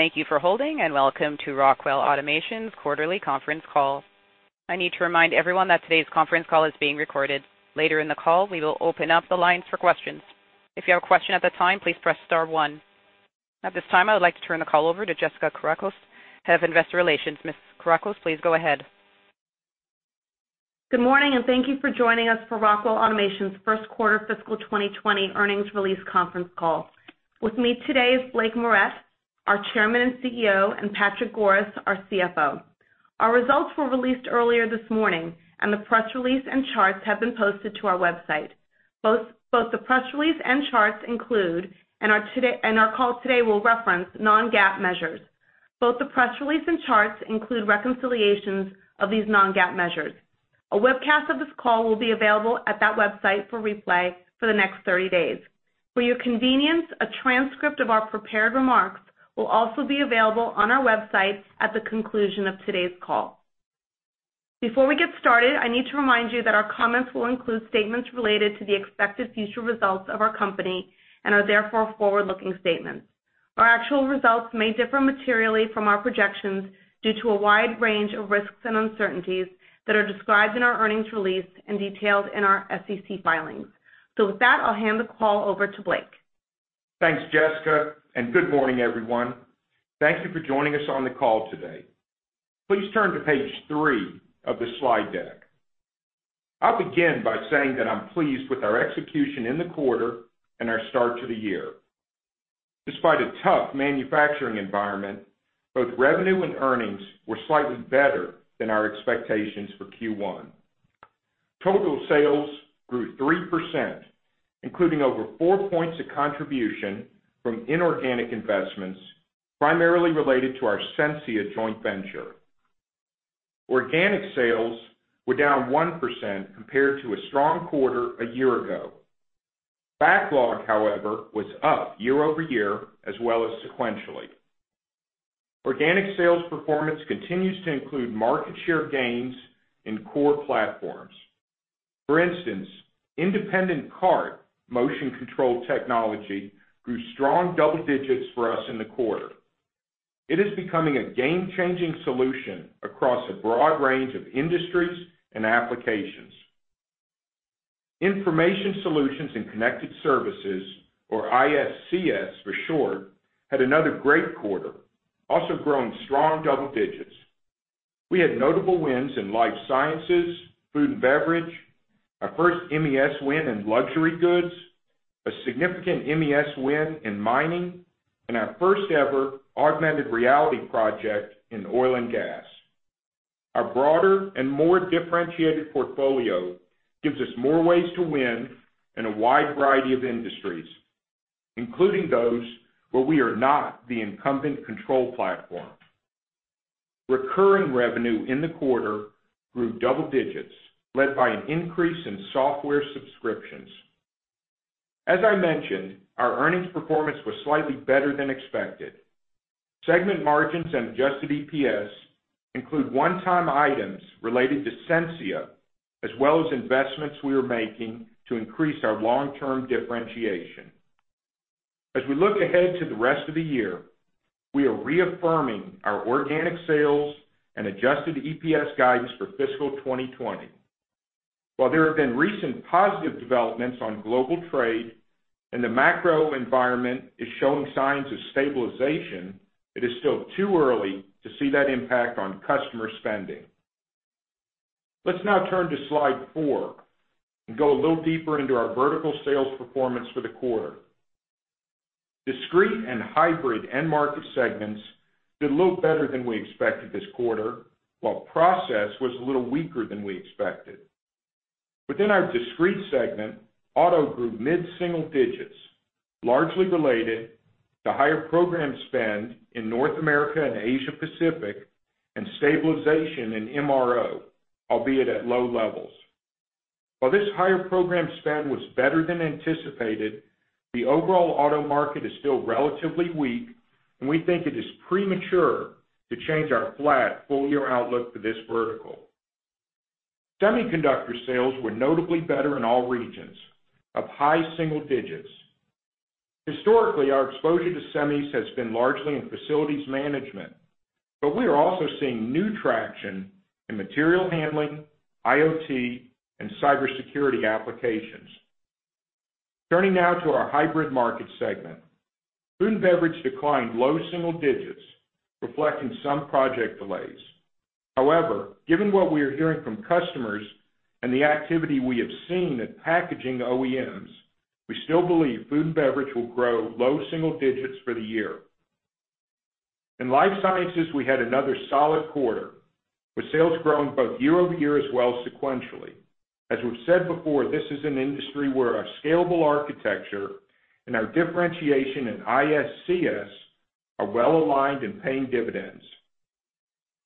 Thank you for holding. Welcome to Rockwell Automation's Quarterly Conference Call. I need to remind everyone that today's conference call is being recorded. Later in the call, we will open up the lines for questions. If you have a question at the time, please press star one. At this time, I would like to turn the call over to Jessica Kourakos, Head of Investor Relations. Ms. Kourakos, please go ahead. Good morning, and thank you for joining us for Rockwell Automation's first quarter fiscal 2020 earnings release conference call. With me today is Blake Moret, our Chairman and CEO, and Patrick Goris, our CFO. Our results were released earlier this morning, and the press release and charts have been posted to our website. Both the press release and charts include, and our call today will reference non-GAAP measures. Both the press release and charts include reconciliations of these non-GAAP measures. A webcast of this call will be available at that website for replay for the next 30 days. For your convenience, a transcript of our prepared remarks will also be available on our website at the conclusion of today's call. Before we get started, I need to remind you that our comments will include statements related to the expected future results of our company and are therefore forward-looking statements. Our actual results may differ materially from our projections due to a wide range of risks and uncertainties that are described in our earnings release and detailed in our SEC filings. With that, I'll hand the call over to Blake. Thanks, Jessica. Good morning, everyone. Thank you for joining us on the call today. Please turn to page three of the slide deck. I'll begin by saying that I'm pleased with our execution in the quarter and our start to the year. Despite a tough manufacturing environment, both revenue and earnings were slightly better than our expectations for Q1. Total sales grew 3%, including over 4 points of contribution from inorganic investments, primarily related to our Sensia joint venture. Organic sales were down 1% compared to a strong quarter a year ago. Backlog, however, was up year-over-year as well as sequentially. Organic sales performance continues to include market share gains in core platforms. For instance, Independent Cart Motion Controlled Technology grew strong double digits for us in the quarter. It is becoming a game-changing solution across a broad range of industries and applications. Information Solutions and Connected Services, or ISCS for short, had another great quarter, also growing strong double digits. We had notable wins in life sciences, food and beverage, our first MES win in luxury goods, a significant MES win in mining, and our first-ever augmented reality project in oil and gas. Our broader and more differentiated portfolio gives us more ways to win in a wide variety of industries, including those where we are not the incumbent control platform. Recurring revenue in the quarter grew double digits, led by an increase in software subscriptions. As I mentioned, our earnings performance was slightly better than expected. Segment margins and adjusted EPS include one-time items related to Sensia, as well as investments we are making to increase our long-term differentiation. As we look ahead to the rest of the year, we are reaffirming our organic sales and adjusted EPS guidance for fiscal 2020. While there have been recent positive developments on global trade and the macro environment is showing signs of stabilization, it is still too early to see that impact on customer spending. Let's now turn to slide four and go a little deeper into our vertical sales performance for the quarter. Discrete and hybrid end market segments did a little better than we expected this quarter, while process was a little weaker than we expected. Within our discrete segment, auto grew mid-single digits, largely related to higher program spend in North America and Asia Pacific and stabilization in MRO, albeit at low levels. This higher program spend was better than anticipated, the overall auto market is still relatively weak, and we think it is premature to change our flat full-year outlook for this vertical. Semiconductor sales were notably better in all regions, up high single digits. Historically, our exposure to semis has been largely in facilities management, we are also seeing new traction in material handling, IoT, and cybersecurity applications. Turning now to our hybrid market segment. Food and beverage declined low single digits, reflecting some project delays. Given what we are hearing from customers and the activity we have seen at packaging OEMs, we still believe food and beverage will grow low single digits for the year. In life sciences, we had another solid quarter, with sales growing both year-over-year as well sequentially. As we've said before, this is an industry where our scalable architecture and our differentiation in ISCS are well-aligned and paying dividends.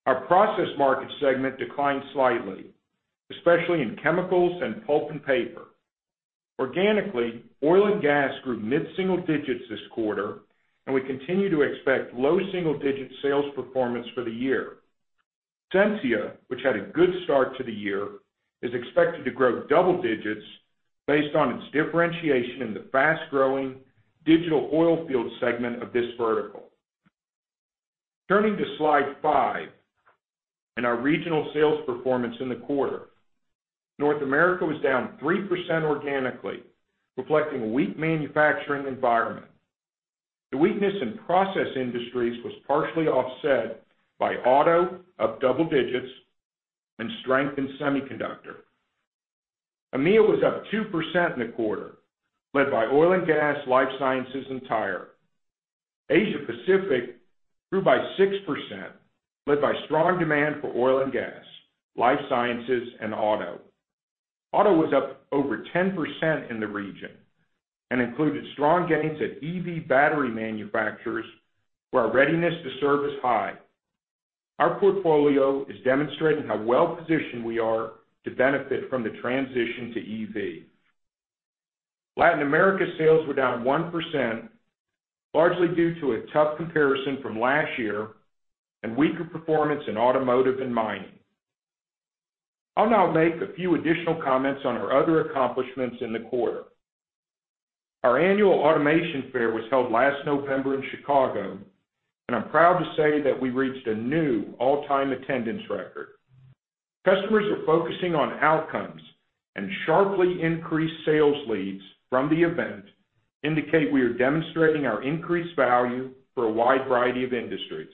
Our process market segment declined slightly, especially in chemicals and pulp and paper. Organically, oil and gas grew mid-single digits this quarter, and we continue to expect low single-digit sales performance for the year. Sensia, which had a good start to the year, is expected to grow double digits based on its differentiation in the fast-growing digital oil field segment of this vertical. Turning to slide five and our regional sales performance in the quarter. North America was down 3% organically, reflecting a weak manufacturing environment. The weakness in process industries was partially offset by auto, up double digits, and strength in semiconductor. EMEA was up 2% in the quarter, led by oil and gas, life sciences, and tire. Asia Pacific grew by 6%, led by strong demand for oil and gas, life sciences, and auto. Auto was up over 10% in the region and included strong gains at EV battery manufacturers, where our readiness to serve is high. Our portfolio is demonstrating how well-positioned we are to benefit from the transition to EV. Latin America sales were down 1%, largely due to a tough comparison from last year and weaker performance in automotive and mining. I'll now make a few additional comments on our other accomplishments in the quarter. Our annual Automation Fair was held last November in Chicago, and I'm proud to say that we reached a new all-time attendance record. Customers are focusing on outcomes, and sharply increased sales leads from the event indicate we are demonstrating our increased value for a wide variety of industries.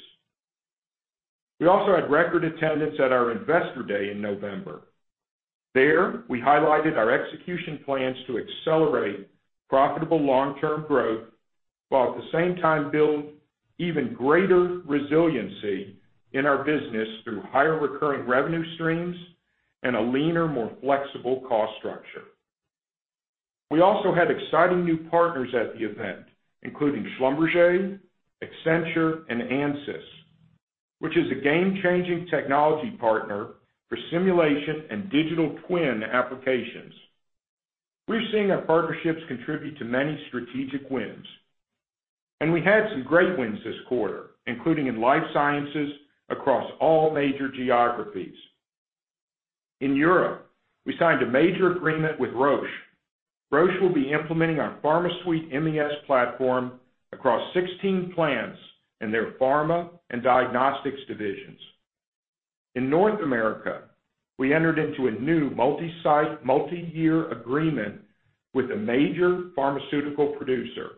We also had record attendance at our Investor Day in November. There, we highlighted our execution plans to accelerate profitable long-term growth, while at the same time build even greater resiliency in our business through higher recurring revenue streams and a leaner, more flexible cost structure. We also had exciting new partners at the event, including Schlumberger, Accenture, and Ansys, which is a game-changing technology partner for simulation and digital twin applications. We are seeing our partnerships contribute to many strategic wins. We had some great wins this quarter, including in life sciences across all major geographies. In Europe, we signed a major agreement with Roche. Roche will be implementing our PharmaSuite MES platform across 16 plants in their pharma and diagnostics divisions. In North America, we entered into a new multi-site, multi-year agreement with a major pharmaceutical producer.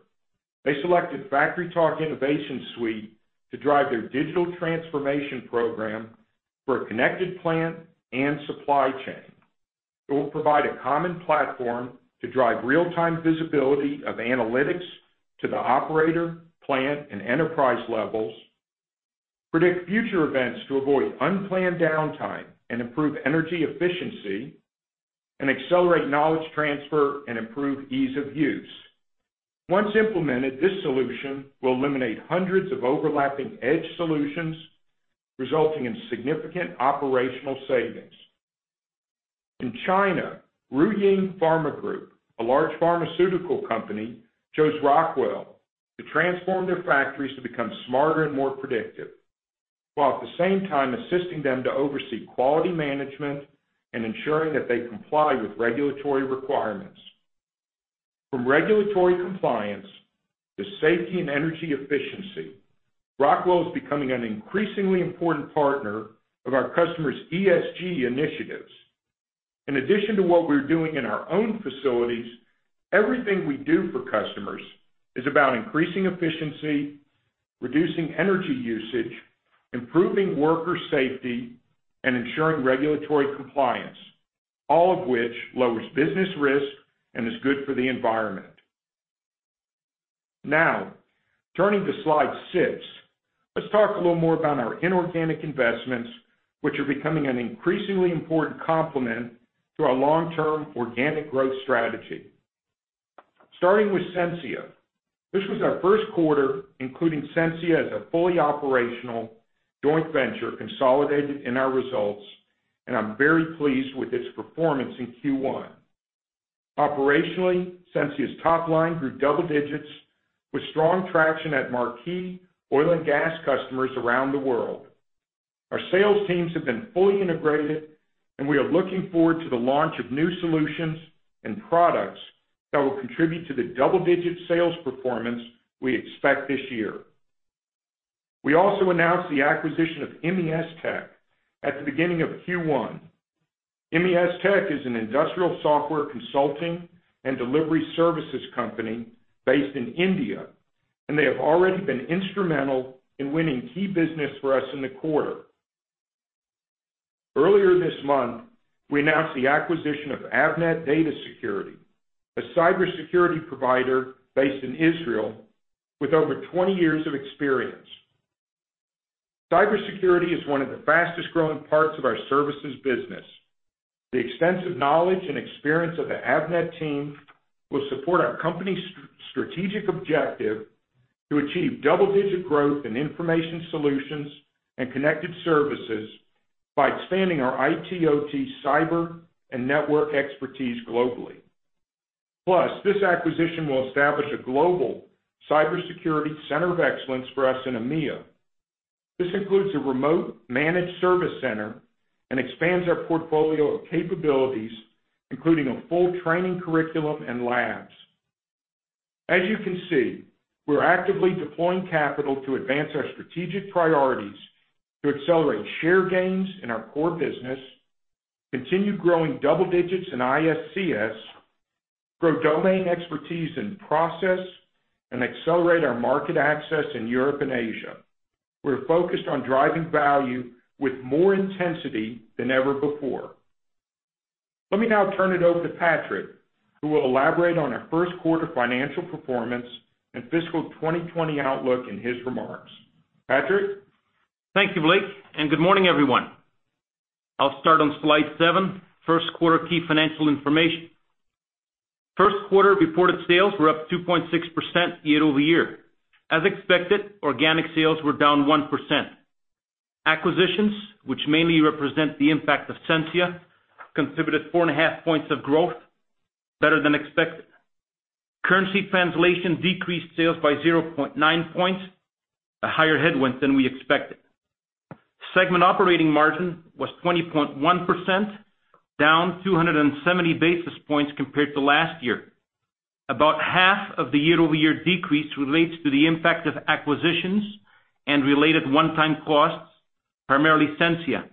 They selected FactoryTalk InnovationSuite to drive their digital transformation program for a connected plant and supply chain. It will provide a common platform to drive real-time visibility of analytics to the operator, plant, and enterprise levels, predict future events to avoid unplanned downtime and improve energy efficiency, accelerate knowledge transfer and improve ease of use. Once implemented, this solution will eliminate hundreds of overlapping edge solutions, resulting in significant operational savings. In China, Ruiying Pharma Group, a large pharmaceutical company, chose Rockwell to transform their factories to become smarter and more predictive, while at the same time assisting them to oversee quality management and ensuring that they comply with regulatory requirements. From regulatory compliance to safety and energy efficiency, Rockwell is becoming an increasingly important partner of our customers' ESG initiatives. In addition to what we're doing in our own facilities, everything we do for customers is about increasing efficiency, reducing energy usage, improving worker safety, and ensuring regulatory compliance, all of which lowers business risk and is good for the environment. Now, turning to slide six, let's talk a little more about our inorganic investments, which are becoming an increasingly important complement to our long-term organic growth strategy. Starting with Sensia. This was our first quarter including Sensia as a fully operational joint venture consolidated in our results, and I'm very pleased with its performance in Q1. Operationally, Sensia's top line grew double digits with strong traction at marquee oil and gas customers around the world. Our sales teams have been fully integrated, and we are looking forward to the launch of new solutions and products that will contribute to the double-digit sales performance we expect this year. We also announced the acquisition of MESTECH at the beginning of Q1. MESTECH is an industrial software consulting and delivery services company based in India, and they have already been instrumental in winning key business for us in the quarter. Earlier this month, we announced the acquisition of Avnet Data Security, a cybersecurity provider based in Israel with over 20 years of experience. Cybersecurity is one of the fastest-growing parts of our services business. The extensive knowledge and experience of the Avnet team will support our company's strategic objective to achieve double-digit growth in Information Solutions and Connected Services by expanding our IT/OT cyber and network expertise globally. Plus, this acquisition will establish a global cybersecurity center of excellence for us in EMEA. This includes a remote managed service center and expands our portfolio of capabilities, including a full training curriculum and labs. As you can see, we're actively deploying capital to advance our strategic priorities to accelerate share gains in our core business, continue growing double digits in ISCS, grow domain expertise in process, and accelerate our market access in Europe and Asia. We're focused on driving value with more intensity than ever before. Let me now turn it over to Patrick, who will elaborate on our first quarter financial performance and fiscal 2020 outlook in his remarks. Patrick? Thank you, Blake. Good morning, everyone. I'll start on slide seven, first quarter key financial information. First quarter reported sales were up 2.6% year-over-year. As expected, organic sales were down 1%. Acquisitions, which mainly represent the impact of Sensia, contributed 4.5 points of growth, better than expected. Currency translation decreased sales by 0.9 points, a higher headwind than we expected. Segment operating margin was 20.1%, down 270 basis points compared to last year. About half of the year-over-year decrease relates to the impact of acquisitions and related one-time costs, primarily Sensia.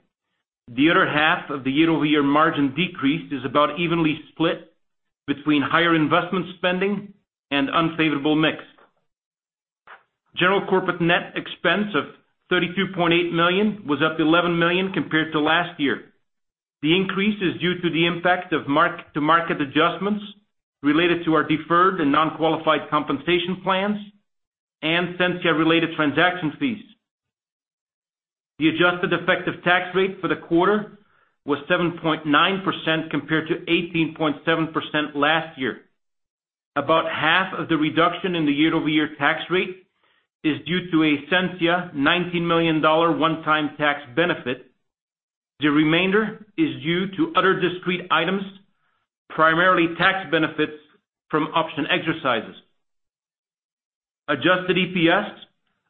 The other half of the year-over-year margin decrease is about evenly split between higher investment spending and unfavorable mix. General corporate net expense of $32.8 million was up $11 million compared to last year. The increase is due to the impact of market-to-market adjustments related to our deferred and non-qualified compensation plans and Sensia-related transaction fees. The adjusted effective tax rate for the quarter was 7.9% compared to 18.7% last year. About half of the reduction in the year-over-year tax rate is due to a Sensia $19 million one-time tax benefit. The remainder is due to other discrete items, primarily tax benefits from option exercises. Adjusted EPS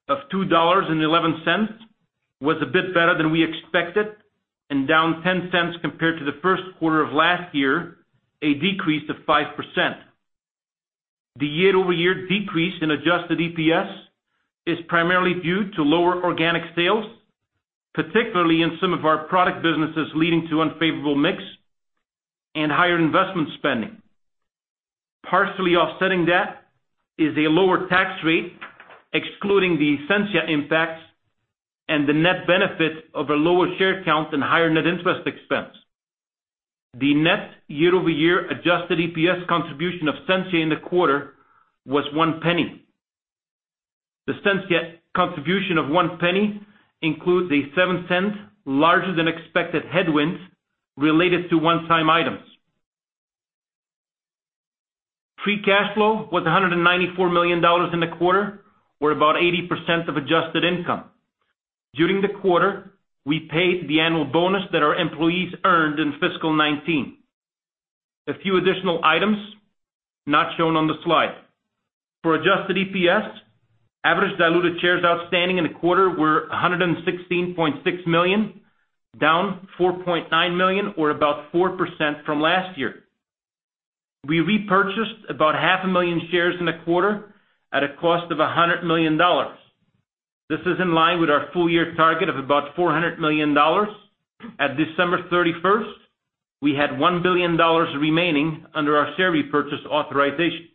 of $2.11 was a bit better than we expected and down $0.10 compared to the first quarter of last year, a decrease of 5%. The year-over-year decrease in adjusted EPS is primarily due to lower organic sales, particularly in some of our product businesses, leading to unfavorable mix and higher investment spending. Partially offsetting that is a lower tax rate, excluding the Sensia impacts and the net benefit of a lower share count and higher net interest expense. The net year-over-year adjusted EPS contribution of Sensia in the quarter was $0.01. The Sensia contribution of $0.01 includes a $0.07 larger-than-expected headwind related to one-time items. Free cash flow was $194 million in the quarter, or about 80% of adjusted income. During the quarter, we paid the annual bonus that our employees earned in fiscal 2019. A few additional items not shown on the slide. For adjusted EPS, average diluted shares outstanding in the quarter were 116.6 million, down 4.9 million or about 4% from last year. We repurchased about half a million shares in the quarter at a cost of $100 million. This is in line with our full-year target of about $400 million. At December 31st, we had $1 billion remaining under our share repurchase authorization.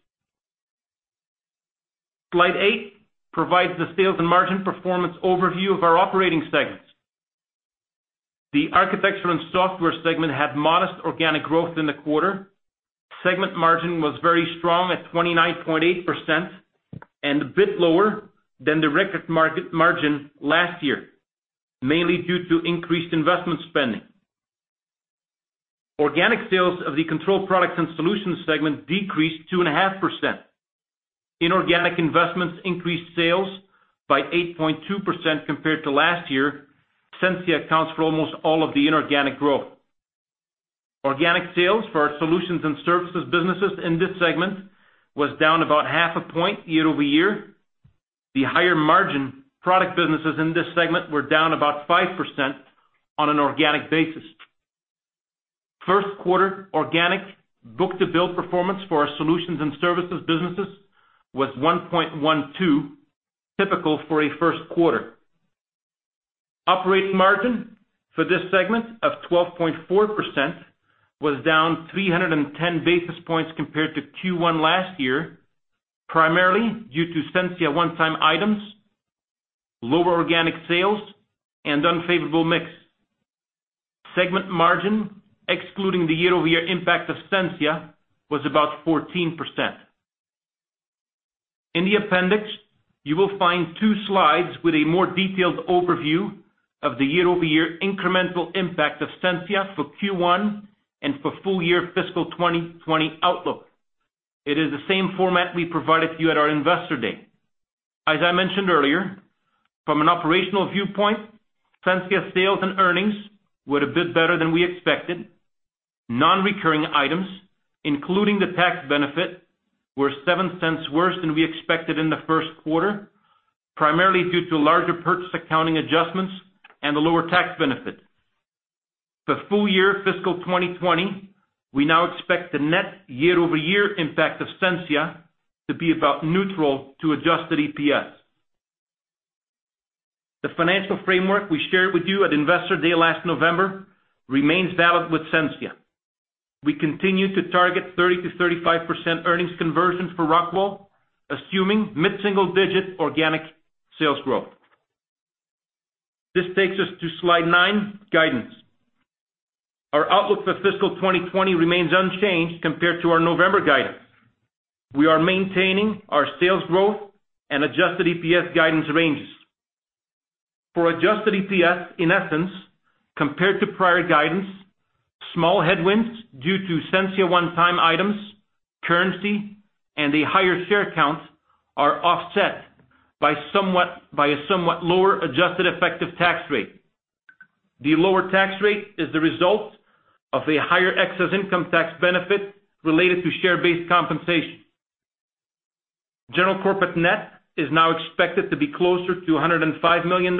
Slide eight provides the sales and margin performance overview of our operating segments. The Architecture & Software segment had modest organic growth in the quarter. Segment margin was very strong at 29.8% and a bit lower than the record margin last year, mainly due to increased investment spending. Organic sales of the Control Products & Solutions segment decreased 2.5%. Inorganic investments increased sales by 8.2% compared to last year. Sensia accounts for almost all of the inorganic growth. Organic sales for our solutions and services businesses in this segment was down about half a point year-over-year. The higher margin product businesses in this segment were down about 5% on an organic basis. First quarter organic book-to-bill performance for our solutions and services businesses was 1.12, typical for a first quarter. Operating margin for this segment of 12.4% was down 310 basis points compared to Q1 last year, primarily due to Sensia one-time items, lower organic sales, and unfavorable mix. Segment margin, excluding the year-over-year impact of Sensia, was about 14%. In the appendix, you will find two slides with a more detailed overview of the year-over-year incremental impact of Sensia for Q1 and for full-year fiscal 2020 outlook. It is the same format we provided to you at our Investor Day. As I mentioned earlier, from an operational viewpoint, Sensia sales and earnings were a bit better than we expected. Non-recurring items, including the tax benefit, were $0.07 worse than we expected in the first quarter, primarily due to larger purchase accounting adjustments and a lower tax benefit. For full-year fiscal 2020, we now expect the net year-over-year impact of Sensia to be about neutral to adjusted EPS. The financial framework we shared with you at Investor Day last November remains valid with Sensia. We continue to target 30%-35% earnings conversion for Rockwell, assuming mid-single digit organic sales growth. This takes us to slide nine, guidance. Our outlook for fiscal 2020 remains unchanged compared to our November guidance. We are maintaining our sales growth and adjusted EPS guidance ranges. For adjusted EPS, in essence, compared to prior guidance, small headwinds due to Sensia one-time items, currency, and a higher share count are offset by a somewhat lower adjusted effective tax rate. The lower tax rate is the result of a higher excess income tax benefit related to share-based compensation. General corporate net is now expected to be closer to $105 million.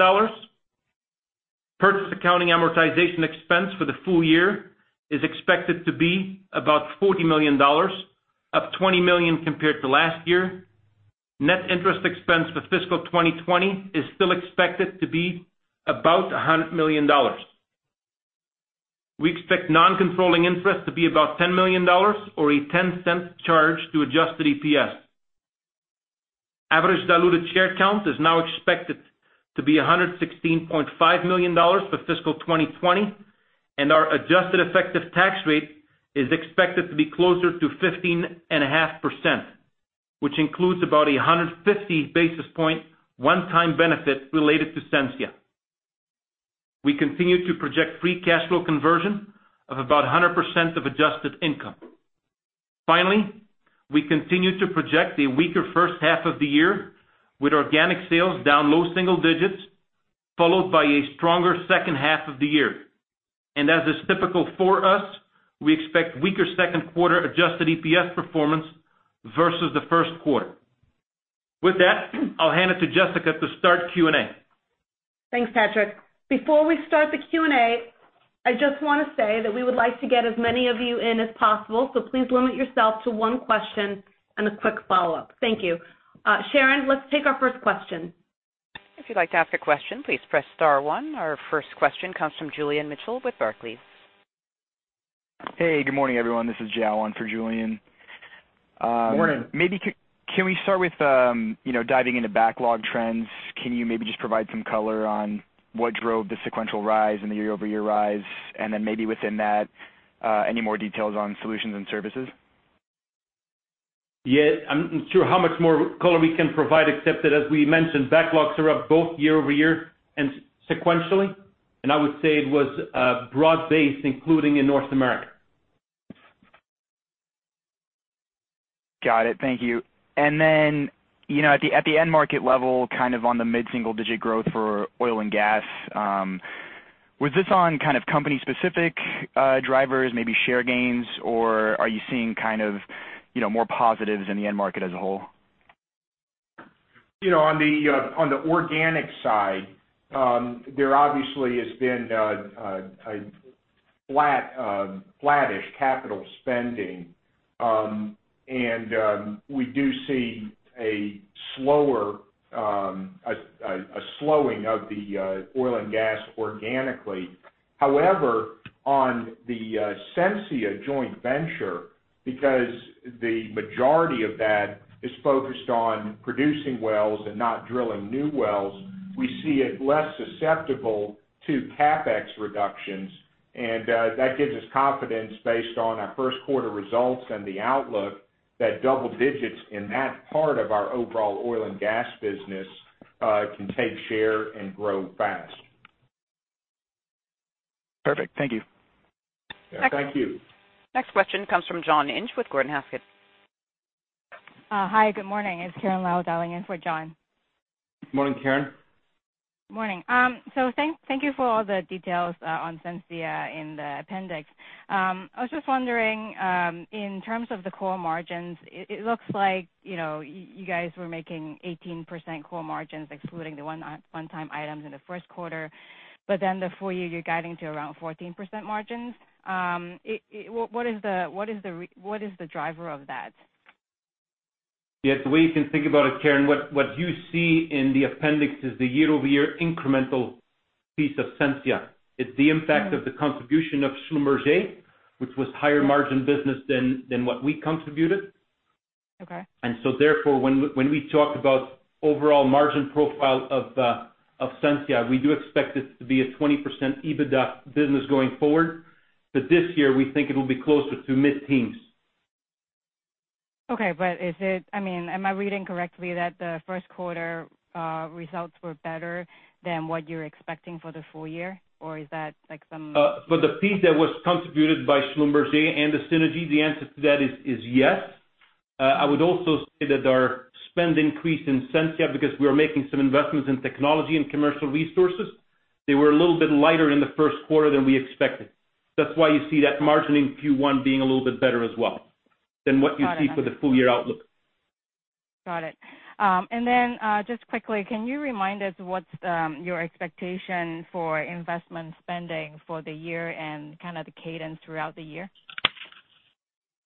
Purchase accounting amortization expense for the full year is expected to be about $40 million, up $20 million compared to last year. Net interest expense for fiscal 2020 is still expected to be about $100 million. We expect non-controlling interest to be about $10 million or a $0.10 charge to adjusted EPS. Average diluted share count is now expected to be $116.5 million for fiscal 2020. Our adjusted effective tax rate is expected to be closer to 15.5%, which includes about 150 basis point one-time benefit related to Sensia. We continue to project free cash flow conversion of about 100% of adjusted income. Finally, we continue to project a weaker first half of the year, with organic sales down low single digits, followed by a stronger second half of the year. As is typical for us, we expect weaker second quarter adjusted EPS performance versus the first quarter. With that, I'll hand it to Jessica to start Q&A. Thanks, Patrick. Before we start the Q&A, I just want to say that we would like to get as many of you in as possible, so please limit yourself to one question and a quick follow-up. Thank you. Sharon, let's take our first question. If you'd like to ask a question, please press star one. Our first question comes from Julian Mitchell with Barclays. Hey, good morning, everyone. This is Jao on for Julian. Morning. Can we start with diving into backlog trends? Can you maybe just provide some color on what drove the sequential rise and the year-over-year rise? Maybe within that, any more details on solutions and services? Yeah. I'm not sure how much more color we can provide except that, as we mentioned, backlogs are up both year-over-year and sequentially, and I would say it was broad-based, including in North America. Got it. Thank you. At the end market level, on the mid-single digit growth for oil and gas, was this on company-specific drivers, maybe share gains, or are you seeing more positives in the end market as a whole? On the organic side, there obviously has been a flattish capital spending. We do see a slowing of the oil and gas organically. However, on the Sensia joint venture, because the majority of that is focused on producing wells and not drilling new wells, we see it less susceptible to CapEx reductions, and that gives us confidence based on our first quarter results and the outlook that double digits in that part of our overall oil and gas business can take share and grow fast. Perfect. Thank you. Thank you. Next question comes from John Inch with Gordon Haskett. Hi. Good morning. It's Karen Lau dialing in for John. Morning, Karen. Morning. Thank you for all the details on Sensia in the appendix. I was just wondering, in terms of the core margins, it looks like you guys were making 18% core margins excluding the one-time items in the first quarter. The full year, you're guiding to around 14% margins. What is the driver of that? Yeah. The way you can think about it, Karen, what you see in the appendix is the year-over-year incremental piece of Sensia. It's the impact of the contribution of Schlumberger, which was higher margin business than what we contributed. Okay. When we talk about overall margin profile of Sensia, we do expect it to be a 20% EBITDA business going forward. This year, we think it will be closer to mid-teens. Okay. Am I reading correctly that the first quarter results were better than what you're expecting for the full year? For the piece that was contributed by Schlumberger and the synergy, the answer to that is yes. I would also say that our spend increase in Sensia, because we are making some investments in technology and commercial resources, they were a little bit lighter in the first quarter than we expected. That's why you see that margin in Q1 being a little bit better as well than what you see for the full-year outlook. Got it. Just quickly, can you remind us what's your expectation for investment spending for the year and kind of the cadence throughout the year?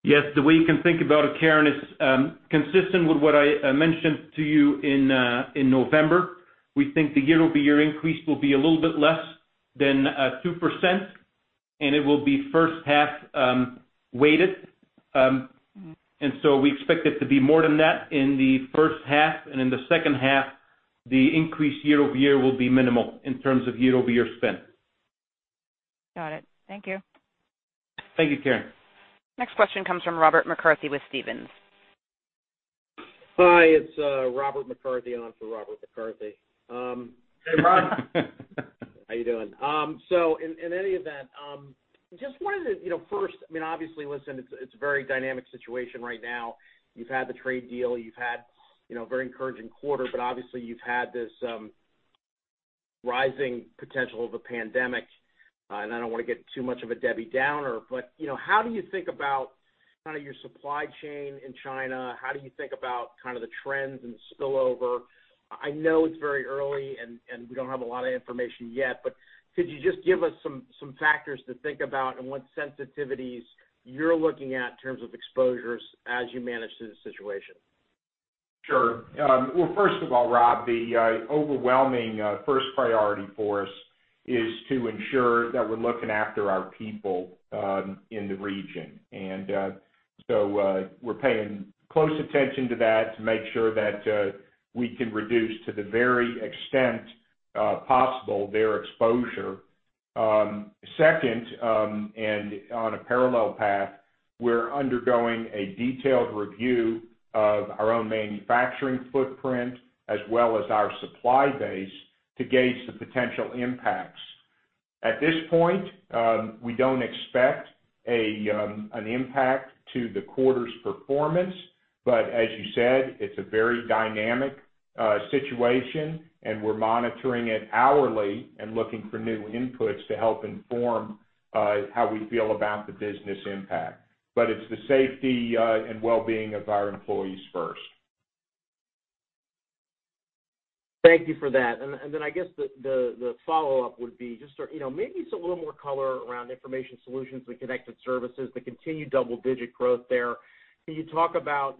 Yes. The way you can think about it, Karen, is consistent with what I mentioned to you in November. We think the year-over-year increase will be a little bit less than 2%, and it will be first-half weighted. We expect it to be more than that in the first half, and in the second half, the increase year-over-year will be minimal in terms of year-over-year spend. Got it. Thank you. Thank you, Karen. Next question comes from Robert McCarthy with Stephens. Hi, it's Robert McCarthy on for Robert McCarthy. Hey, Rob. How you doing? In any event, just wanted to first, obviously, listen, it's a very dynamic situation right now. You've had the trade deal, you've had a very encouraging quarter, but obviously, you've had this rising potential of a pandemic. I don't want to get too much of a Debbie Downer, but how do you think about your supply chain in China? How do you think about the trends and the spillover? I know it's very early, and we don't have a lot of information yet, but could you just give us some factors to think about and what sensitivities you're looking at in terms of exposures as you manage through the situation? First of all, Rob, the overwhelming first priority for us is to ensure that we're looking after our people in the region. We're paying close attention to that to make sure that we can reduce to the very extent possible their exposure. Second, and on a parallel path, we're undergoing a detailed review of our own manufacturing footprint as well as our supply base to gauge the potential impacts. At this point, we don't expect an impact to the quarter's performance, but as you said, it's a very dynamic situation, and we're monitoring it hourly and looking for new inputs to help inform how we feel about the business impact. It's the safety and well-being of our employees first. Thank you for that. I guess the follow-up would be just maybe just a little more color around Information Solutions and Connected Services, the continued double-digit growth there. Can you talk about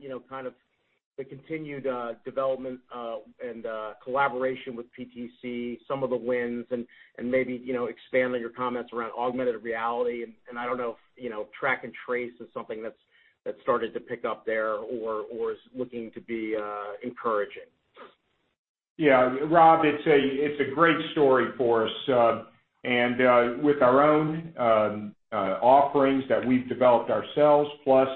the continued development and collaboration with PTC, some of the wins and maybe expand on your comments around augmented reality? I don't know if track and trace is something that's started to pick up there or is looking to be encouraging. Yeah. Rob, it's a great story for us. With our own offerings that we've developed ourselves, plus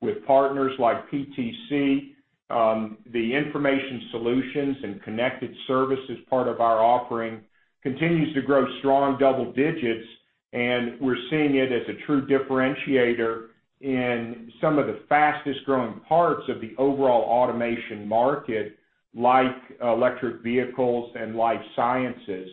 with partners like PTC, the Information Solutions and Connected Services part of our offering continues to grow strong double digits, and we're seeing it as a true differentiator in some of the fastest-growing parts of the overall automation market, like electric vehicles and life sciences.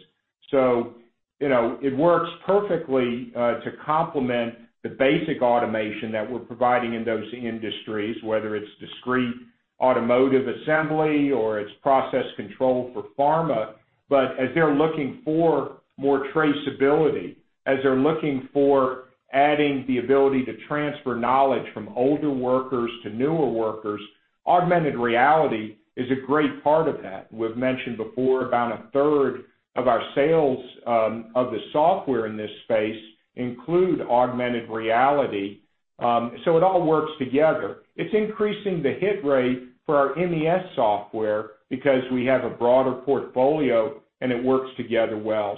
It works perfectly to complement the basic automation that we're providing in those industries, whether it's discrete automotive assembly or it's process control for pharma. As they're looking for more traceability, as they're looking for adding the ability to transfer knowledge from older workers to newer workers, augmented reality is a great part of that. We've mentioned before about a third of our sales of the software in this space include augmented reality. It all works together. It's increasing the hit rate for our MES software because we have a broader portfolio, and it works together well.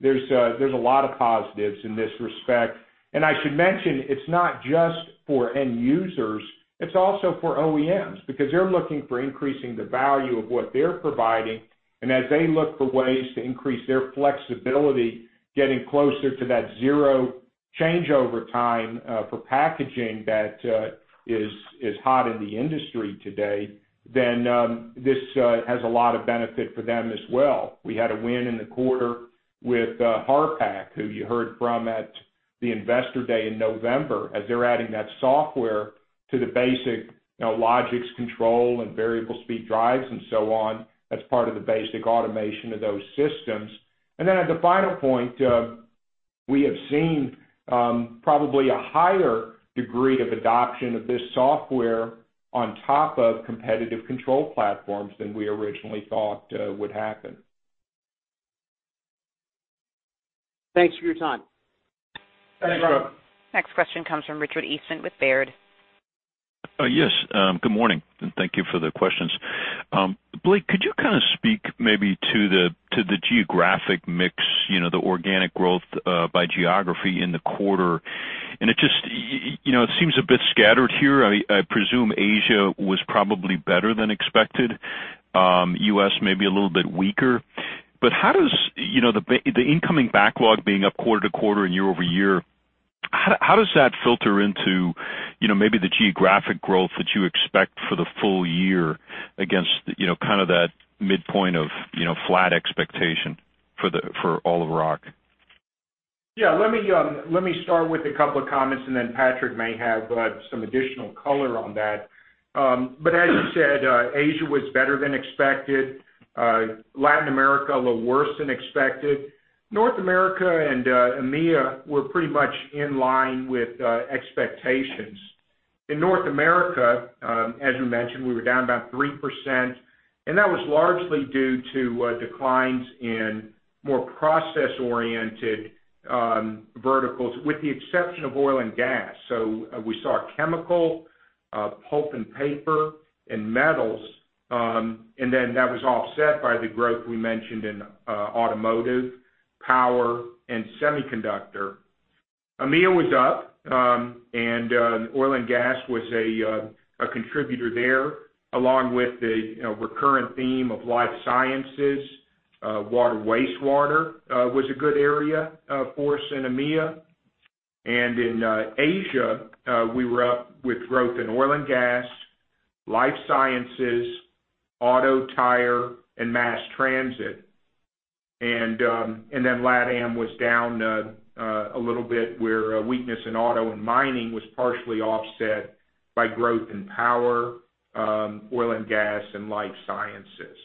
There's a lot of positives in this respect. I should mention, it's not just for end users, it's also for OEMs, because they're looking for increasing the value of what they're providing. As they look for ways to increase their flexibility, getting closer to that zero changeover time for packaging that is hot in the industry today, then this has a lot of benefit for them as well. We had a win in the quarter with Harpak, who you heard from at the Investor Day in November, as they're adding that software to the basic Logix control and variable speed drives and so on as part of the basic automation of those systems. As a final point, we have seen probably a higher degree of adoption of this software on top of competitive control platforms than we originally thought would happen. Thanks for your time. Thanks, Rob. Next question comes from Richard Eastman with Baird. Yes. Good morning, thank you for the questions. Blake, could you kind of speak maybe to the geographic mix, the organic growth by geography in the quarter? It just seems a bit scattered here. I presume Asia was probably better than expected. U.S. maybe a little bit weaker. The incoming backlog being up quarter-to-quarter and year-over-year, how does that filter into maybe the geographic growth that you expect for the full year against that midpoint of flat expectation for all of Rock? Yeah. Let me start with a couple of comments, then Patrick may have some additional color on that. As you said, Asia was better than expected. Latin America, a little worse than expected. North America and EMEA were pretty much in line with expectations. In North America, as you mentioned, we were down about 3%, and that was largely due to declines in more process-oriented verticals, with the exception of oil and gas. We saw chemical, pulp and paper, and metals, then that was offset by the growth we mentioned in automotive, power, and semiconductor. EMEA was up, oil and gas was a contributor there, along with the recurrent theme of life sciences. Water/wastewater was a good area for us in EMEA. In Asia, we were up with growth in oil and gas, life sciences, auto, tire, and mass transit. LatAm was down a little bit where weakness in auto and mining was partially offset by growth in power, oil and gas, and life sciences.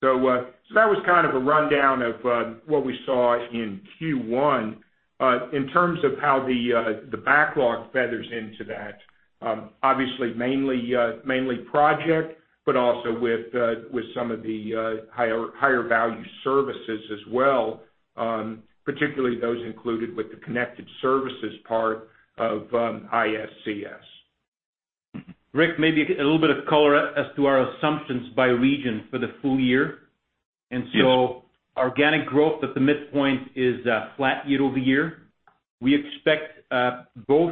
That was kind of a rundown of what we saw in Q1. In terms of how the backlog feathers into that, obviously mainly project, but also with some of the higher value services as well, particularly those included with the connected services part of ISCS. Rick, maybe a little bit of color as to our assumptions by region for the full year. Yes. Organic growth at the midpoint is flat year-over-year. We expect both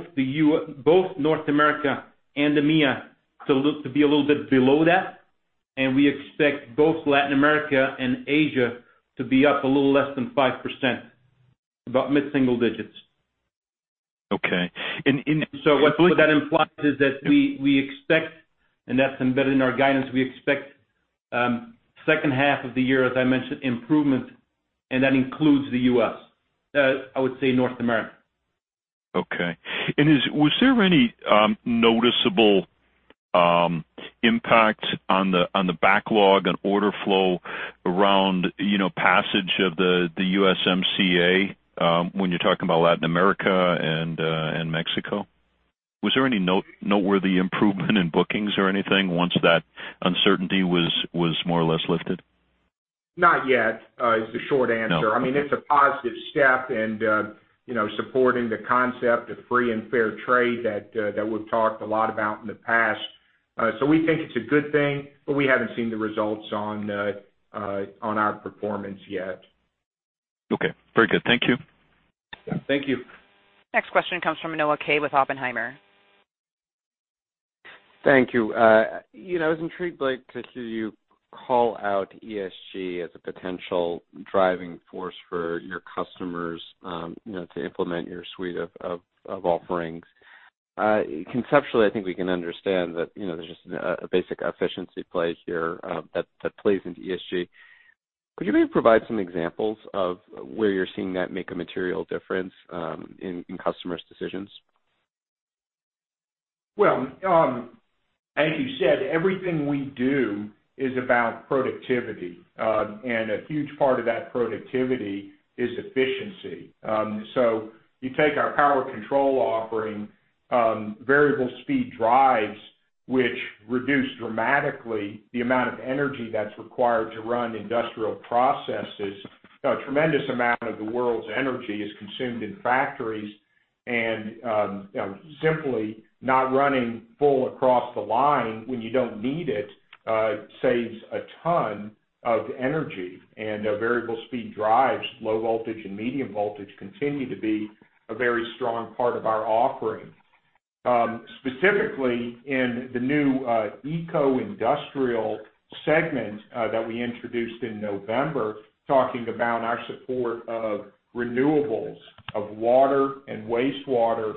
North America and EMEA to be a little bit below that, and we expect both Latin America and Asia to be up a little less than 5%, about mid-single digits. Okay. What that implies is that we expect, and that's embedded in our guidance, we expect second half of the year, as I mentioned, improvement, and that includes the U.S., I would say North America. Okay. Was there any noticeable impact on the backlog and order flow around passage of the USMCA, when you're talking about Latin America and Mexico? Was there any noteworthy improvement in bookings or anything once that uncertainty was more or less lifted? Not yet, is the short answer. No. It's a positive step and supporting the concept of free and fair trade that we've talked a lot about in the past. We think it's a good thing. We haven't seen the results on our performance yet. Okay. Very good. Thank you. Yeah. Thank you. Next question comes from Noah Kaye with Oppenheimer. Thank you. I was intrigued, Blake, to hear you call out ESG as a potential driving force for your customers to implement your suite of offerings. Conceptually, I think we can understand that there's just a basic efficiency play here that plays into ESG. Could you maybe provide some examples of where you're seeing that make a material difference in customers' decisions? Well, as you said, everything we do is about productivity. A huge part of that productivity is efficiency. You take our power control offering, variable speed drives, which reduce dramatically the amount of energy that's required to run industrial processes. A tremendous amount of the world's energy is consumed in factories, and simply not running full across the line when you don't need it saves a ton of energy. Variable speed drives, low voltage and medium voltage, continue to be a very strong part of our offering. Specifically in the new eco-industrial segment that we introduced in November, talking about our support of renewables, of water and wastewater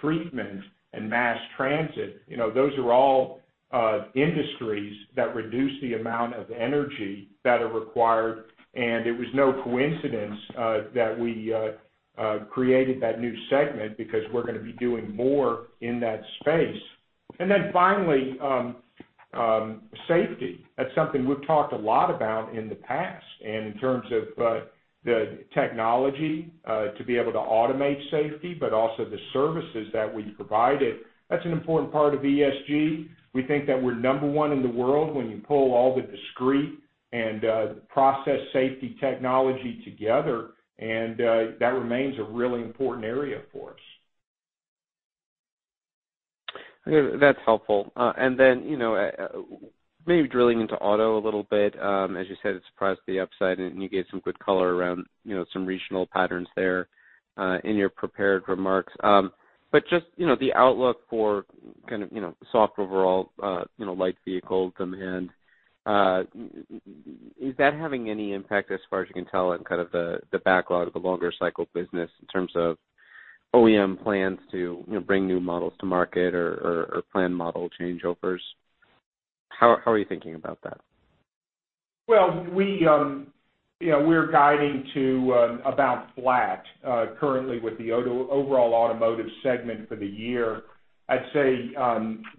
treatment, and mass transit. Those are all industries that reduce the amount of energy that are required, and it was no coincidence that we created that new segment because we're going to be doing more in that space. Finally, safety. That's something we've talked a lot about in the past, and in terms of the technology to be able to automate safety, but also the services that we provide it. That's an important part of ESG. We think that we're number one in the world when you pull all the discrete and process safety technology together, and that remains a really important area for us. That's helpful. Maybe drilling into auto a little bit, as you said, it surprised the upside, and you gave some good color around some regional patterns there in your prepared remarks. Just the outlook for kind of soft overall light vehicle demand, is that having any impact as far as you can tell on kind of the backlog of the longer cycle business in terms of OEM plans to bring new models to market or plan model changeovers? How are you thinking about that? We're guiding to about flat currently with the overall automotive segment for the year. I'd say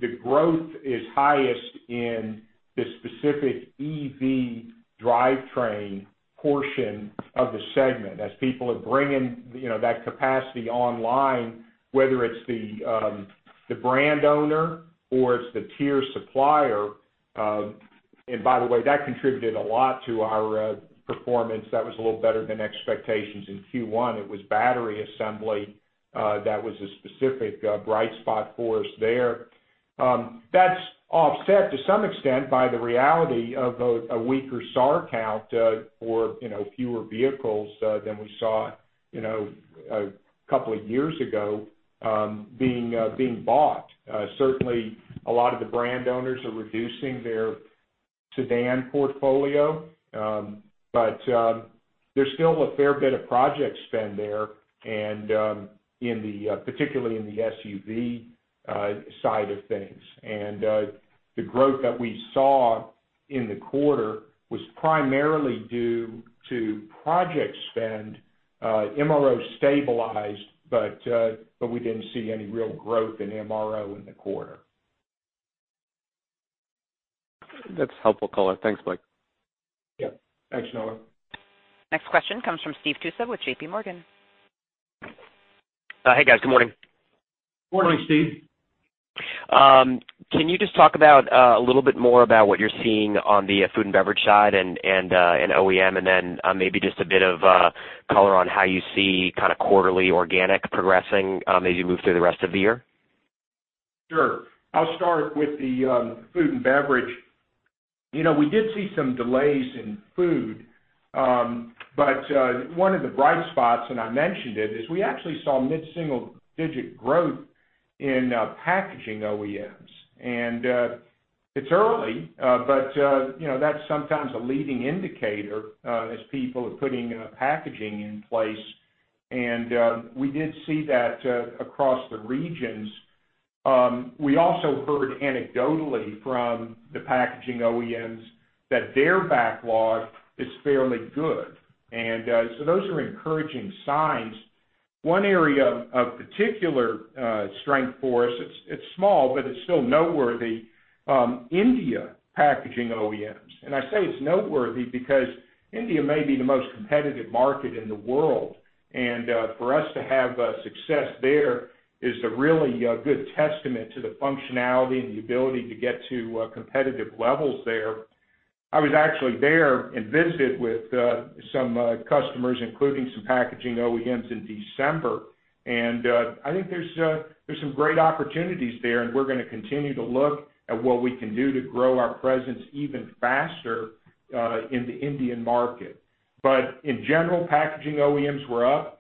the growth is highest in the specific EV drivetrain portion of the segment as people are bringing that capacity online, whether it's the brand owner or it's the tier supplier. By the way, that contributed a lot to our performance. That was a little better than expectations in Q1. It was battery assembly that was a specific bright spot for us there. That's offset to some extent by the reality of a weaker SAR count for fewer vehicles than we saw a couple of years ago being bought. Certainly, a lot of the brand owners are reducing their sedan portfolio. There's still a fair bit of project spend there and particularly in the SUV side of things. The growth that we saw in the quarter was primarily due to project spend. MRO stabilized, but we didn't see any real growth in MRO in the quarter. That's helpful color. Thanks, Blake. Yeah. Thanks, Noah. Next question comes from Steve Tusa with JPMorgan. Hey, guys. Good morning. Morning, Steve. Can you just talk about a little bit more about what you're seeing on the food and beverage side and OEM, and then maybe just a bit of color on how you see kind of quarterly organic progressing as you move through the rest of the year? Sure. I'll start with the food and beverage. We did see some delays in food. One of the bright spots, and I mentioned it, is we actually saw mid-single digit growth in packaging OEMs. It's early, but that's sometimes a leading indicator as people are putting packaging in place. We did see that across the regions. We also heard anecdotally from the packaging OEMs that their backlog is fairly good. Those are encouraging signs. One area of particular strength for us, it's small, but it's still noteworthy, India packaging OEMs. I say it's noteworthy because India may be the most competitive market in the world. For us to have success there is a really good testament to the functionality and the ability to get to competitive levels there. I was actually there and visited with some customers, including some packaging OEMs in December. I think there's some great opportunities there, and we're going to continue to look at what we can do to grow our presence even faster in the Indian market. In general, packaging OEMs were up.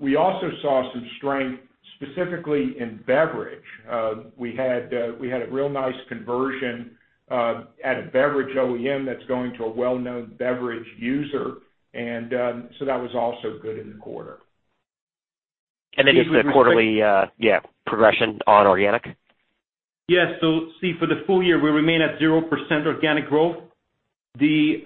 We also saw some strength specifically in beverage. We had a real nice conversion at a beverage OEM that's going to a well-known beverage user. That was also good in the quarter. Just the quarterly progression on organic? Yeah. Steve, for the full year, we remain at 0% organic growth. Obviously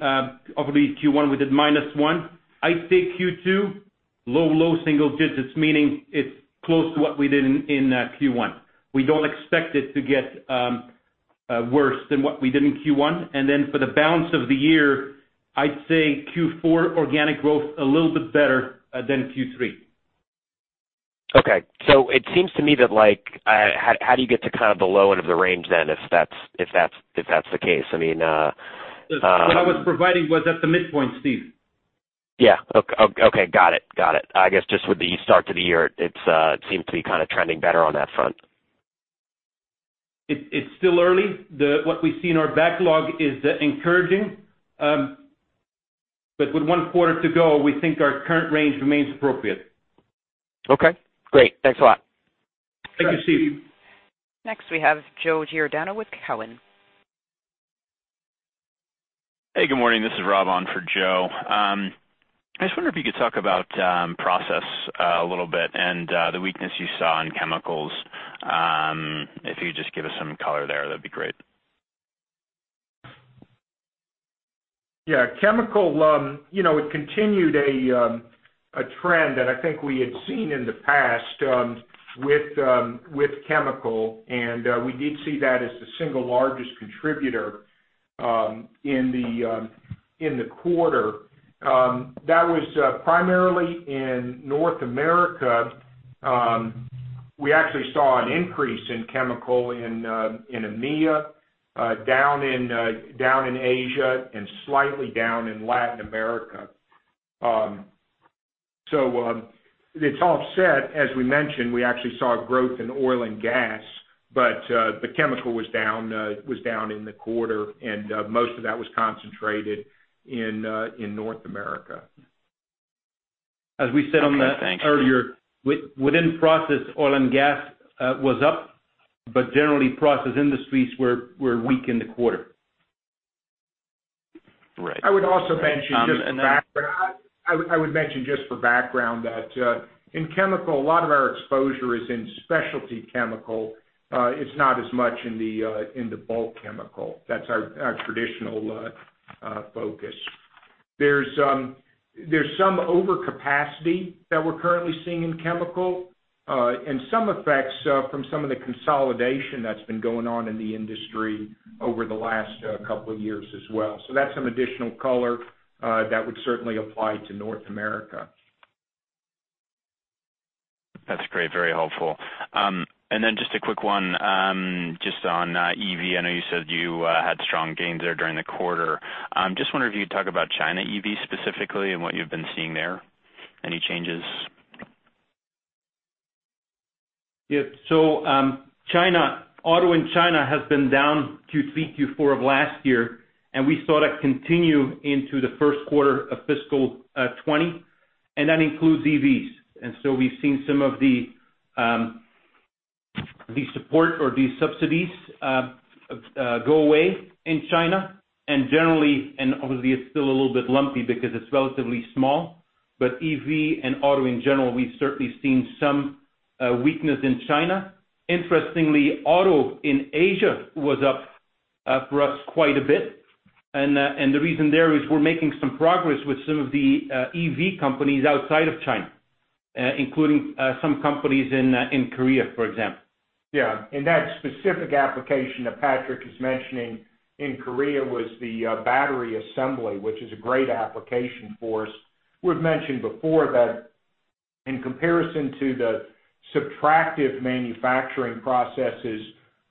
Q1 we did -1%. I'd say Q2, low single digits, meaning it's close to what we did in Q1. We don't expect it to get worse than what we did in Q1. For the balance of the year, I'd say Q4 organic growth a little bit better than Q3. Okay. It seems to me that how do you get to kind of the low end of the range then if that's the case? I mean. What I was providing was at the midpoint, Steve. Yeah. Okay. Got it. I guess just with the start to the year, it seems to be kind of trending better on that front. It's still early. What we see in our backlog is encouraging. With one quarter to go, we think our current range remains appropriate. Okay, great. Thanks a lot. Thank you, Steve. Next we have Joe Giordano with Cowen. Hey, good morning. This is Rob on for Joe. I just wonder if you could talk about process a little bit and the weakness you saw in chemicals. If you could just give us some color there, that'd be great. Chemical, it continued a trend that I think we had seen in the past with chemical. We did see that as the single largest contributor in the quarter. That was primarily in North America. We actually saw an increase in chemical in EMEA, down in Asia and slightly down in Latin America. It's offset. As we mentioned, we actually saw a growth in oil and gas. The chemical was down in the quarter, and most of that was concentrated in North America. As we said on that earlier, within process, oil and gas was up, but generally process industries were weak in the quarter. Right. I would mention just for background that in chemical, a lot of our exposure is in specialty chemical. It's not as much in the bulk chemical. That's our traditional focus. There's some overcapacity that we're currently seeing in chemical, and some effects from some of the consolidation that's been going on in the industry over the last couple of years as well. That's some additional color that would certainly apply to North America. That's great, very helpful. Then just a quick one, just on EV. I know you said you had strong gains there during the quarter. Just wondering if you could talk about China EV specifically and what you've been seeing there. Any changes? Yeah. Auto in China has been down Q3, Q4 of last year. We saw that continue into the first quarter of fiscal 2020. That includes EVs. We've seen some of the support or the subsidies go away in China. Generally, obviously it's still a little bit lumpy because it's relatively small, but EV and auto in general, we've certainly seen some weakness in China. Interestingly, auto in Asia was up for us quite a bit. The reason there is we're making some progress with some of the EV companies outside of China, including some companies in Korea, for example. Yeah. That specific application that Patrick is mentioning in Korea was the battery assembly, which is a great application for us. We've mentioned before that in comparison to the subtractive manufacturing processes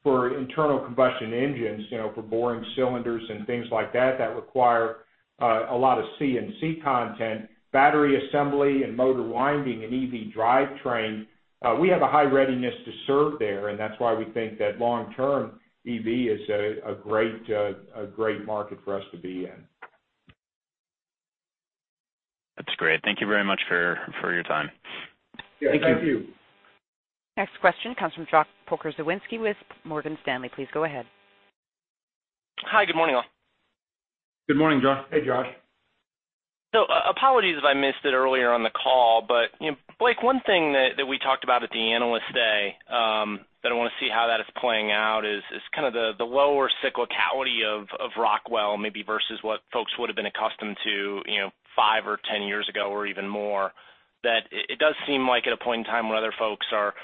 for internal combustion engines, for boring cylinders and things like that require a lot of CNC content, battery assembly and motor winding and EV drivetrain, we have a high readiness to serve there, and that's why we think that long-term, EV is a great market for us to be in. That's great. Thank you very much for your time. Yeah. Thank you. Thank you. Next question comes from Josh Pokrzywinski with Morgan Stanley. Please go ahead. Hi, good morning all. Good morning, Josh. Hey, Josh. Apologies if I missed it earlier on the call, but Blake, one thing that we talked about at the Analyst Day, that I want to see how that is playing out is kind of the lower cyclicality of Rockwell Automation maybe versus what folks would've been accustomed to five or 10 years ago or even more. It does seem like at a point in time when other folks are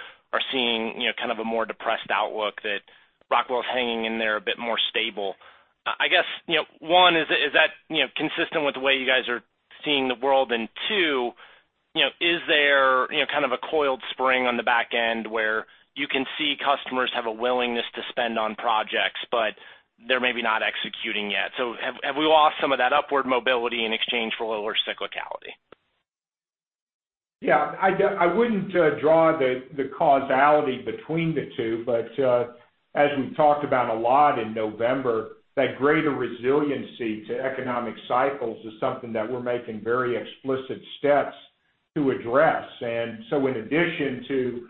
seeing kind of a more depressed outlook, that Rockwell Automation is hanging in there a bit more stable. I guess, one is that consistent with the way you guys are seeing the world? Two, is there kind of a coiled spring on the back end where you can see customers have a willingness to spend on projects, but they're maybe not executing yet? Have we lost some of that upward mobility in exchange for lower cyclicality? Yeah. I wouldn't draw the causality between the two. As we talked about a lot in November, that greater resiliency to economic cycles is something that we're making very explicit steps to address. In addition to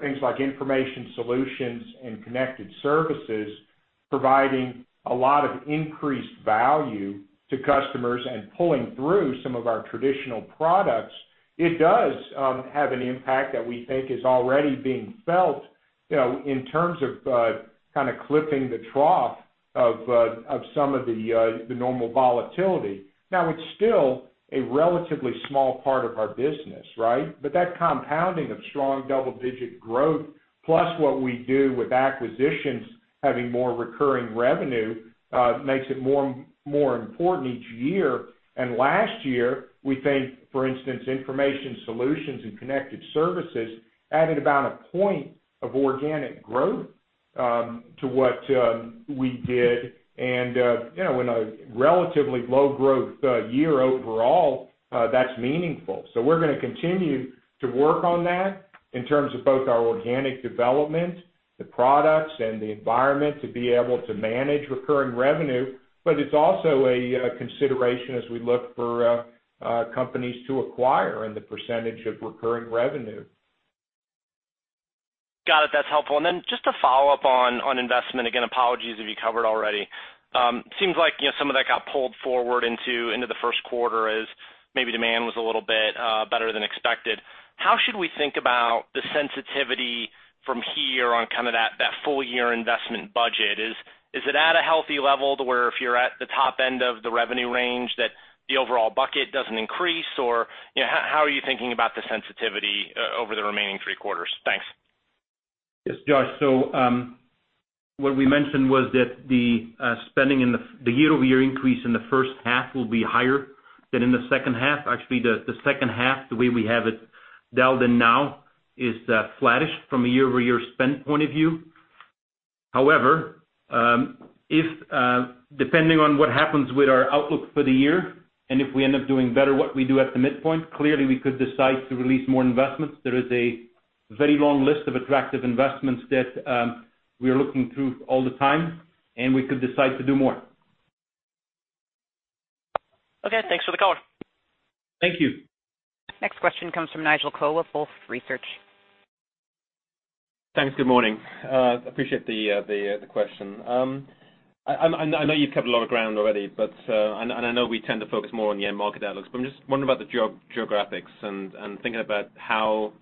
things like Information Solutions and Connected Services providing a lot of increased value to customers and pulling through some of our traditional products, it does have an impact that we think is already being felt, in terms of kind of clipping the trough of some of the normal volatility. It's still a relatively small part of our business, right? That compounding of strong double-digit growth, plus what we do with acquisitions having more recurring revenue, makes it more important each year. Last year, we think, for instance, Information Solutions and Connected Services added about a point of organic growth to what we did. In a relatively low growth year overall, that's meaningful. We're going to continue to work on that in terms of both our organic development, the products, and the environment to be able to manage recurring revenue. It's also a consideration as we look for companies to acquire and the percentage of recurring revenue. Got it. That's helpful. Just to follow up on investment, again, apologies if you covered already. Seems like some of that got pulled forward into the first quarter as maybe demand was a little bit better than expected. How should we think about the sensitivity from here on kind of that full year investment budget? Is it at a healthy level to where if you're at the top end of the revenue range, that the overall bucket doesn't increase? How are you thinking about the sensitivity over the remaining three quarters? Thanks. Yes, Josh. What we mentioned was that the year-over-year increase in the first half will be higher than in the second half. Actually, the second half, the way we have it dialed in now, is flattish from a year-over-year spend point of view. However, depending on what happens with our outlook for the year, and if we end up doing better what we do at the midpoint, clearly we could decide to release more investments. There is a very long list of attractive investments that we are looking through all the time, and we could decide to do more. Okay, thanks for the color. Thank you. Next question comes from Nigel Coe with Wolfe Research. Thanks. Good morning. Appreciate the question. I know you've covered a lot of ground already, and I know we tend to focus more on the end market outlooks, but I'm just wondering about the geographics and thinking about how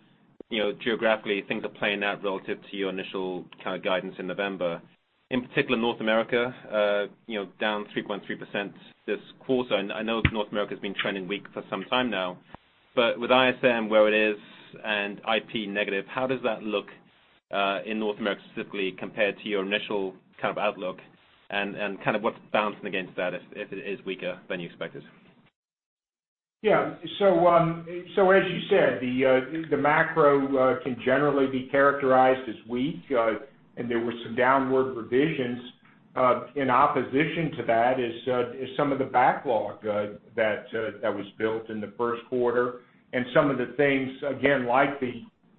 geographically things are playing out relative to your initial kind of guidance in November. In particular, North America, down 3.3% this quarter. I know North America's been trending weak for some time now, but with ISM where it is and IP negative, how does that look in North America specifically compared to your initial kind of outlook and kind of what's balancing against that if it is weaker than you expected? As you said, the macro can generally be characterized as weak, and there were some downward revisions. In opposition to that is some of the backlog that was built in the first quarter and some of the things, again, like the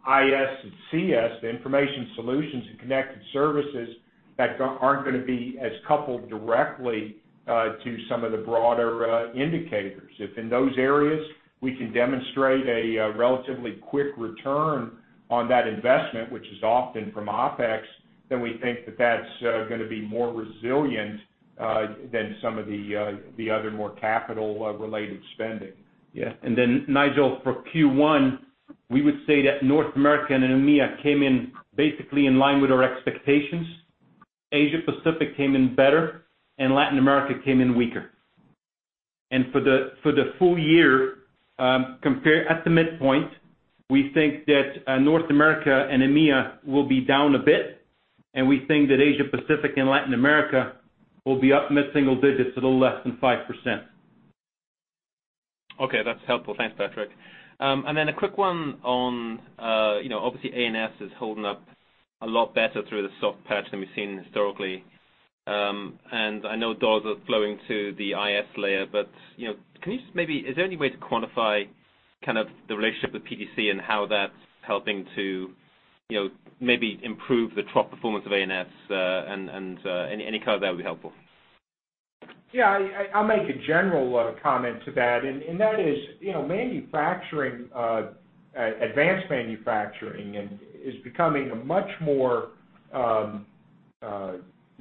IS and CS, the Information Solutions and Connected Services, that aren't going to be as coupled directly to some of the broader indicators. If in those areas we can demonstrate a relatively quick return on that investment, which is often from OpEx, then we think that that's going to be more resilient than some of the other more capital related spending. Yeah. Nigel, for Q1, we would say that North America and EMEA came in basically in line with our expectations. Asia Pacific came in better, and Latin America came in weaker. For the full year, at the midpoint, we think that North America and EMEA will be down a bit, and we think that Asia Pacific and Latin America will be up mid-single digits to a little less than 5%. Okay. That's helpful. Thanks, Patrick. A quick one on, obviously A&S is holding up a lot better through the soft patch than we've seen historically. I know doors are flowing to the IS layer, but is there any way to quantify kind of the relationship with PTC and how that's helping to maybe improve the trough performance of A&S, and any color there would be helpful. Yeah. I'll make a general comment to that. Advanced manufacturing is becoming a much more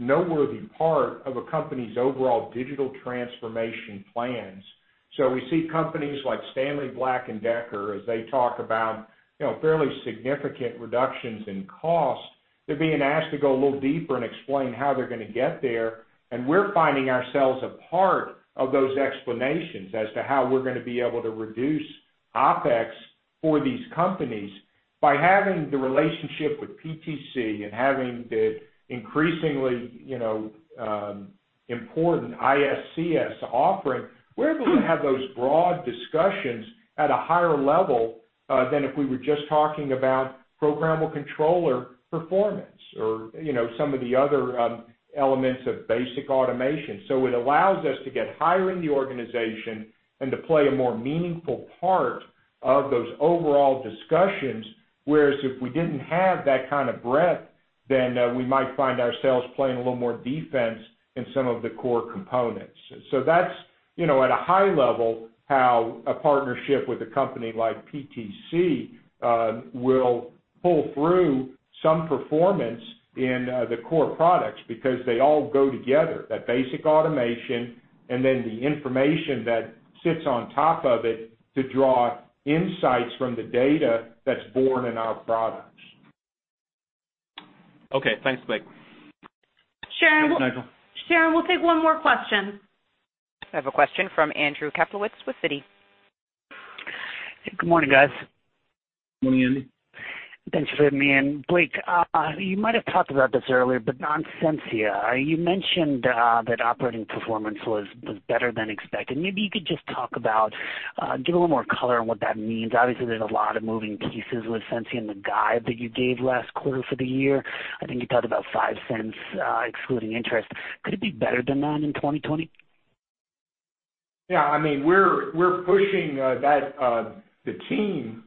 noteworthy part of a company's overall digital transformation plans. We see companies like Stanley Black & Decker, as they talk about fairly significant reductions in cost. They're being asked to go a little deeper and explain how they're going to get there. We're finding ourselves a part of those explanations as to how we're going to be able to reduce OpEx for these companies. By having the relationship with PTC and having the increasingly important ISCS offering, we're able to have those broad discussions at a higher level than if we were just talking about programmable controller performance or some of the other elements of basic automation. It allows us to get higher in the organization and to play a more meaningful part of those overall discussions. If we didn't have that kind of breadth, we might find ourselves playing a little more defense in some of the core components. That's at a high level how a partnership with a company like PTC will pull through some performance in the core products because they all go together, that basic automation and then the information that sits on top of it to draw insights from the data that's born in our products. Okay. Thanks, Blake. Sharon- Thanks, Nigel. Sharon, we'll take one more question. I have a question from Andrew Kaplowitz with Citi. Good morning, guys. Morning, Andy. Thanks for letting me in. Blake, you might have talked about this earlier, on Sensia, you mentioned that operating performance was better than expected. Maybe you could just give a little more color on what that means. Obviously, there's a lot of moving pieces with Sensia and the guide that you gave last quarter for the year. I think you talked about $0.05, excluding interest. Could it be better than that in 2020? Yeah, we're pushing the team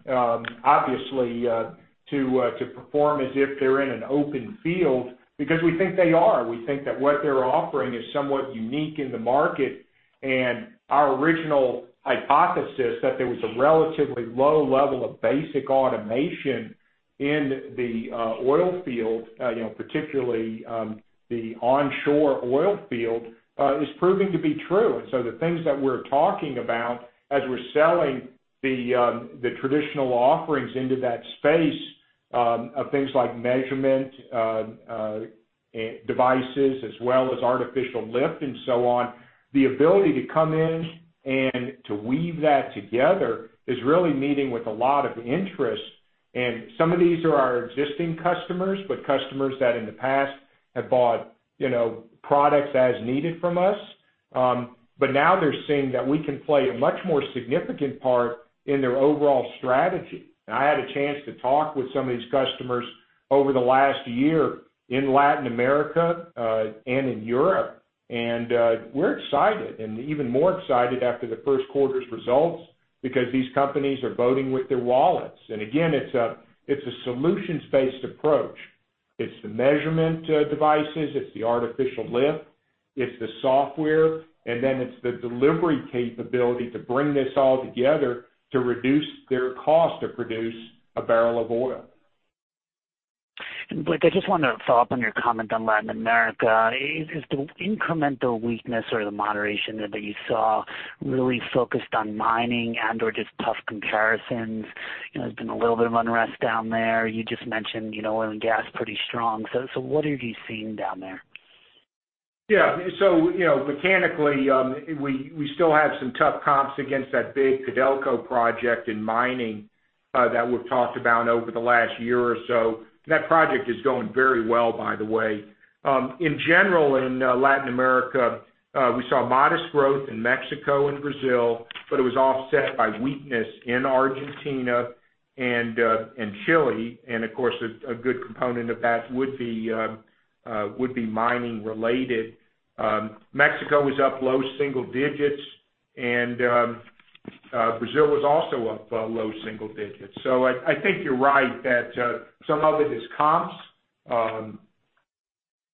obviously to perform as if they're in an open field because we think they are. We think that what they're offering is somewhat unique in the market, and our original hypothesis that there was a relatively low level of basic automation in the oil field, particularly the onshore oil field, is proving to be true. The things that we're talking about as we're selling the traditional offerings into that space, things like measurement devices as well as artificial lift and so on, the ability to come in and to weave that together is really meeting with a lot of interest. Some of these are our existing customers, but customers that in the past have bought products as needed from us. Now they're seeing that we can play a much more significant part in their overall strategy. I had a chance to talk with some of these customers over the last year in Latin America and in Europe. We're excited and even more excited after the first quarter's results because these companies are voting with their wallets. Again, it's a solutions-based approach. It's the measurement devices, it's the artificial lift, it's the software, and then it's the delivery capability to bring this all together to reduce their cost to produce a barrel of oil. Blake, I just want to follow up on your comment on Latin America. Is the incremental weakness or the moderation that you saw really focused on mining and/or just tough comparisons? There's been a little bit of unrest down there. You just mentioned oil and gas pretty strong. What are you seeing down there? Yeah. Mechanically, we still have some tough comps against that big Codelco project in mining that we've talked about over the last year or so. That project is going very well, by the way. In general, in Latin America, we saw modest growth in Mexico and Brazil, it was offset by weakness in Argentina and Chile, and of course, a good component of that would be mining related. Mexico was up low single digits Brazil was also up low single digits. I think you're right that some of it is comps.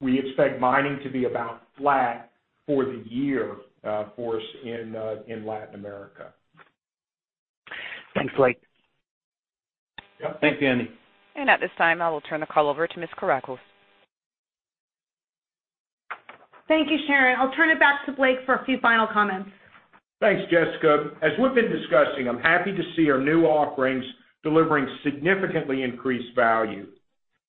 We expect mining to be about flat for the year for us in Latin America. Thanks, Blake. Yeah. Thank you, Andy. At this time, I will turn the call over to Ms. Kourakos. Thank you, Sharon. I'll turn it back to Blake for a few final comments. Thanks, Jessica. As we've been discussing, I'm happy to see our new offerings delivering significantly increased value.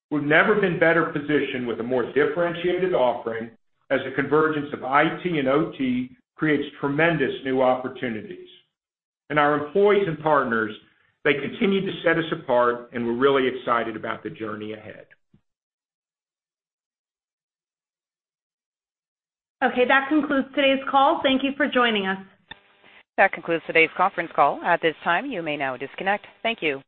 We've never been better positioned with a more differentiated offering as the convergence of IT and OT creates tremendous new opportunities. Our employees and partners, they continue to set us apart, and we're really excited about the journey ahead. Okay, that concludes today's call. Thank you for joining us. That concludes today's conference call. At this time, you may now disconnect. Thank you.